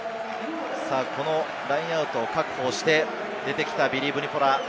このラインアウトを確保して出てきた、ビリー・ヴニポラ。